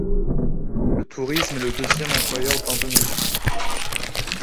Le tourisme est le deuxième employeur d'Indonésie.